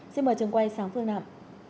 xin mời chân quay sáng phương nam